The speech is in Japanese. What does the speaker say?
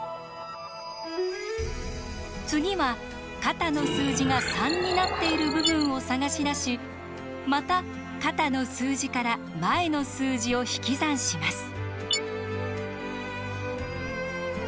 次は肩の数字が３になっている部分を探し出しまた肩の数字から前の数字を引き算します。